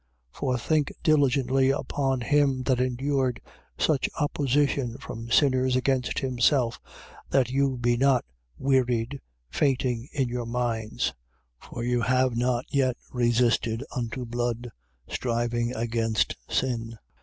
12:3. For think diligently upon him that endured such opposition from sinners against himself that you be not wearied, fainting in your minds. 12:4. For you have not yet resisted unto blood, striving against sin.